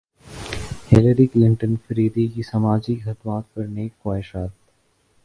Hillary Clinton فریدی کی سماجی خدمات پر نیک خواہشات